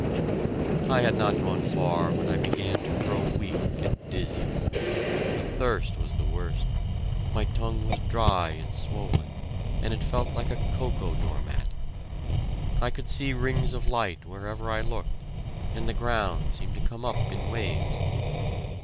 I had not gone far when I began to grow weak and dizzy. The thirst was the worst; my tongue was dry and swollen, and it felt like a cocoa doormat. I could see rings of light wherever I looked, and the ground seemed to come up in waves.